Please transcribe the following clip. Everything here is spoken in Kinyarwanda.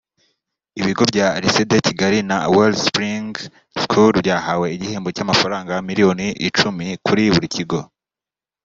Ibigo bya Lcyée de Kigali na Wellspring School byahawe igihembo cy’amafaranga miliyoni icumi kuri buri kigo